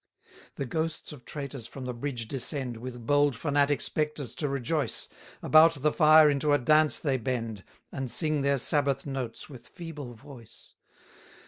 223 The ghosts of traitors from the bridge descend, With bold fanatic spectres to rejoice: About the fire into a dance they bend, And sing their sabbath notes with feeble voice.